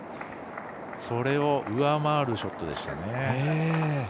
それを上回るショットでした。